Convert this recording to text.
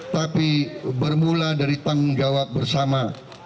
tapi bermula dari tanggung jawab bersama